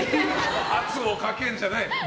圧をかけるんじゃない。